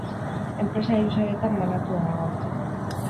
Enpresa hiru sailetan banatua dago.